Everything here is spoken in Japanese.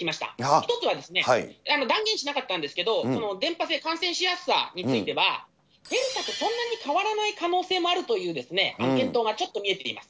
１つは断言しなかったんですけど、伝ぱ性、感染しやすさについては、デルタとそんなに変わらない可能性もあるという検討がちょっと見えています。